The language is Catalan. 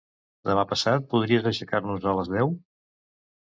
Demà passat podries aixecar-nos a les deu?